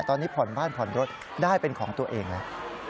ตอนนี้ผ่อนบ้านผ่อนรถได้เป็นของตัวเองแล้ว